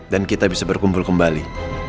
dan kita bisa berkumpul kembali